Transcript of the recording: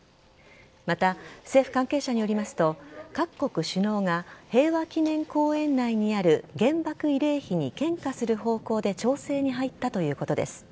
また政府関係者によりますと各国首脳が平和記念公園内にある原爆慰霊碑に献花する方向で調整に入ったということです。